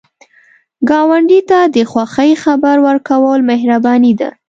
ګاونډي ته د خوښۍ خبر ورکول مهرباني ده